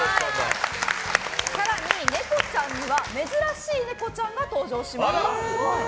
更にネコちゃんは珍しいネコちゃんが登場します。